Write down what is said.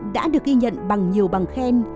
đã được ghi nhận bằng nhiều bằng khen